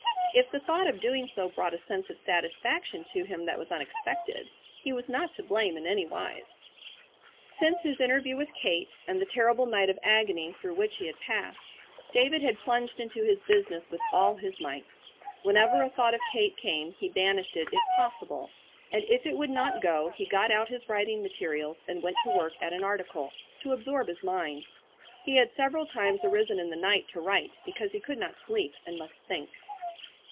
If the thought of doing so brought a sense of satisfaction to him that was unexpected, he was not to blame in any wise. Since his interview with Kate, and the terrible night of agony through which he had passed, David had plunged into his business with all his might. Whenever a thought of Kate came he banished it if possible, and if it would not go he got out his writing materials and went to work at an article, to absorb his mind. He had several times arisen in the night to write because he could not sleep, and must think.